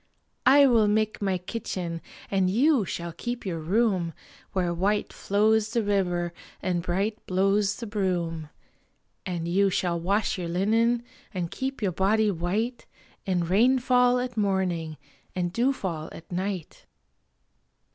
I will make my kitchen, and you shall keep your room, Where white flows the river and bright blows the broom, And you shall wash your linen and keep your body white In rainfall at morning and dewfall at night.